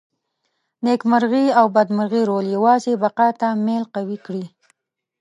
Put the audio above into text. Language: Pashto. نېکمرغي او بدمرغي رول یوازې بقا ته میل قوي کړي.